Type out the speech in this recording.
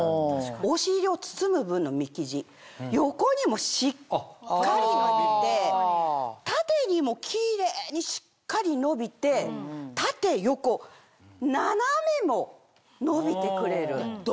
お尻を包む部分の身生地横にもしっかり伸びて縦にもキレイにしっかり伸びて縦横斜めも伸びてくれる。